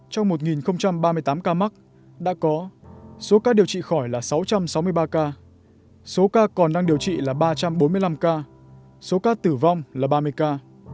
trong một ba mươi tám ca mắc đã có số ca điều trị khỏi là sáu trăm sáu mươi ba ca số ca còn đang điều trị là ba trăm bốn mươi năm ca số ca tử vong là ba mươi ca